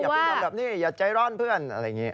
ไปทำแบบนี้อย่าใจร้อนเพื่อนอะไรอย่างนี้